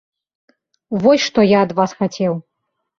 Вось што я ад вас хацеў!